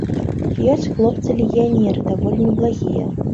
Ёсць хлопцы-легіянеры даволі неблагія.